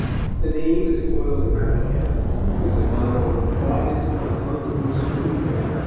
The name is coiled around him, with the motto, Gravis cantantibus umbra.